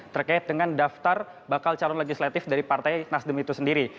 terkait dengan daftar bakal calon legislatif dari partai nasdem itu sendiri